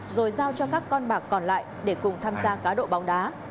rồi giao cho các con bạc còn lại để cùng tham gia cá độ bóng đá